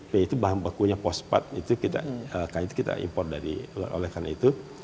p itu bahan bakunya pospat itu kita impor oleh karena itu